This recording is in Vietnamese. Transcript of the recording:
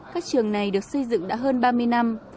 các trường này được xây dựng đã hơn ba mươi năm